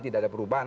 tidak ada perubahan